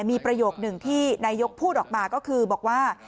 มีประโยคหนึ่งที่นายกพูดออกมาก็คือบอกว่า